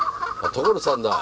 所さんだ。